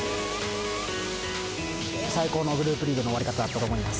最高のグループリーグの終わり方だったと思います。